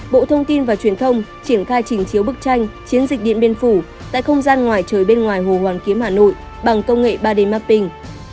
bộ thông tin và truyền thông triển khai trình chiếu bức tranh chiến dịch điện biên phủ tại không gian ngoài trời bên ngoài hồ hoàn kiếm hà nội bằng công nghệ ba d mapping